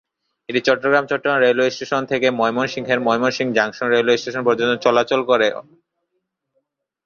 এটি চট্টগ্রামের Chattogram railway station থেকে ময়মনসিংহের ময়মনসিংহ জংশন রেলওয়ে স্টেশন পর্যন্ত চলাচল করে।